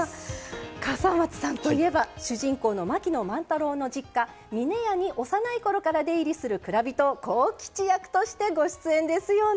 笠松さんといえば主人公の槙野万太郎の実家峰屋に幼い頃から出入りする蔵人・幸吉役としてご出演ですよね。